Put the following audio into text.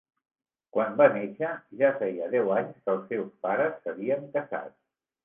Quan va néixer ja feia deu anys que els seus pares s'havien casat.